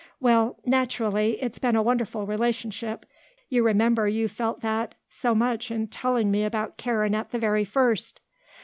"Well, naturally. It's been a wonderful relationship. You remember you felt that so much in telling me about Karen at the very first."